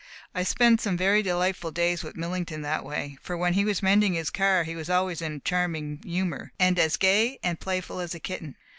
I spent some very delightful days with Millington that way, for when he was mending his car he was always in a charming humour, and as gay and playful as a kitten.